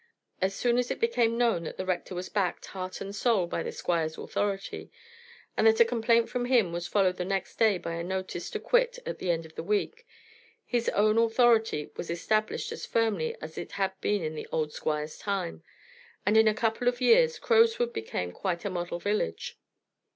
As soon as it became known that the Rector was backed, heart and soul, by the Squire's authority, and that a complaint from him was followed the next day by a notice to quit at the end of a week, his own authority was established as firmly as it had been in the old Squire's time, and in a couple of years Crowswood became quite a model village.